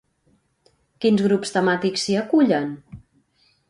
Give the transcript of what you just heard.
Quins grups temàtics s'hi acullen?